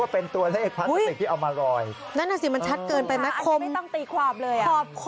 อันนี้ไม่ต้องตีคอบเลย